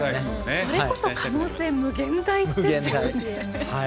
それこそ可能性無限大ですね。